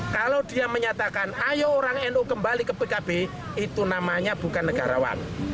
kalau dia menyatakan ayo orang nu kembali ke pkb itu namanya bukan negarawan